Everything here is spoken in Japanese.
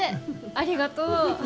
ありがとう。